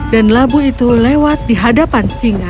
dan labu itu lewat di hadapan singa